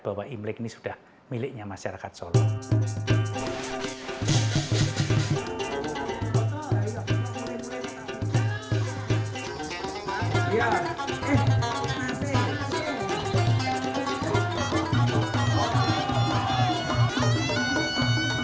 bahwa imlek ini sudah miliknya masyarakat solo